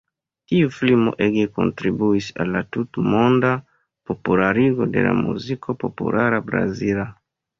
Tiu filmo ege kontribuis al la tutmonda popularigo de la Muziko Populara Brazila.